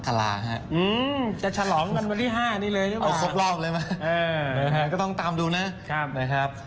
ก็ต้องตามดูนะครับ